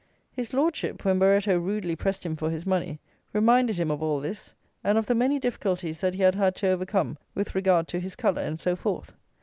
His Lordship, when Barretto rudely pressed him for his money, reminded him of all this, and of the many difficulties that he had had to overcome with regard to his colour and so forth.